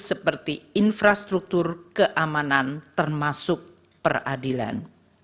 seperti infrastruktur keamanan termasuk peradilan